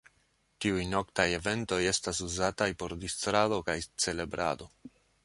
Tiuj noktaj eventoj estas uzataj por distrado kaj celebrado.